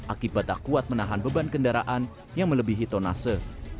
akibat tak kuat menahan beban kendaraan yang melebihi tonase